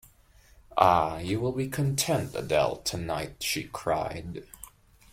"Ah, you will be content, Adele, tonight," she cried.